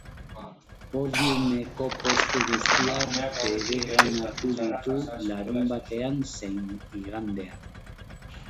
Podiumeko postu guztiak bereganatu ditu larunbatean zein igandean.